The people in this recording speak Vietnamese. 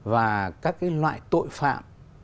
và các cái loại tội phạm